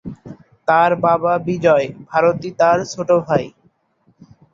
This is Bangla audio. তার বাবা বিজয় ভারতী তার ছোট ভাই।